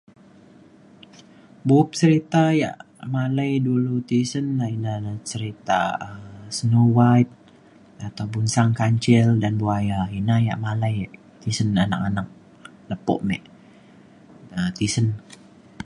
Bup selita yak malai dulu tisen na ina na selita Snow White ataupun Sang Kancil dan Buaya. Ina yak malai tisen anak anak lepo me um tisen.